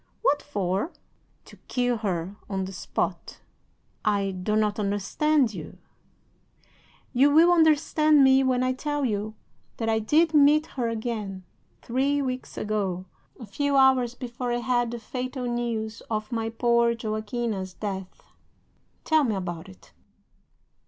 "'What for?' "'To kill her on the spot.' "'I do not understand you.' "'You will understand me when I tell you that I did meet her again, three weeks ago, a few hours before I had the fatal news of my poor Joaquina's death.' "'Tell me about it, tell me about it!'